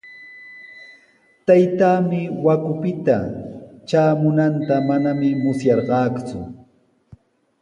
Taytaami Huacupita traamunanta manami musyarqaaku.